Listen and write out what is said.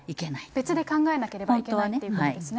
別で考えなければいけないということですね。